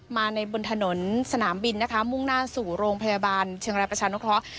มาในบนถนนสนามบินนะคะมุ่งหน้าสู่โรงพยาบาลเชียงรายประชานุเคราะห์